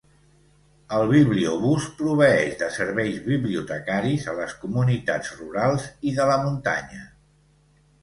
El bibliobús proveeix de serveis bibliotecaris a les comunitats rurals i de la muntanya.